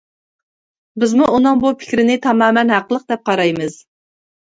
بىزمۇ ئۇنىڭ بۇ پىكرىنى تامامەن ھەقلىق دەپ قارايمىز.